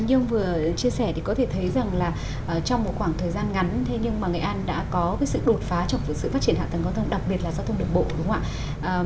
như ông vừa chia sẻ thì có thể thấy rằng là trong một khoảng thời gian ngắn thế nhưng mà nghệ an đã có cái sự đột phá trong sự phát triển hạ tầng giao thông đặc biệt là giao thông đường bộ đúng không ạ